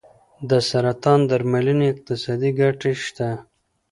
د سرطان درملنې اقتصادي ګټې شته.